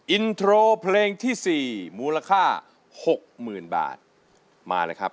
อินโทรเพลงที่๔มูลค่า๖๐๐๐บาทมาเลยครับ